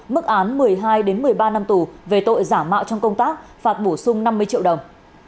mức án một mươi hai một mươi ba năm tù về tội giả mạo trong công tác phạt bổ sung năm mươi triệu đồng